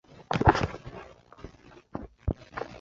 福建畸脉姬蜂的一种。